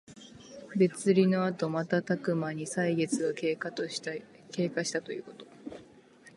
別離のあとまたたくまに歳月が経過したということ。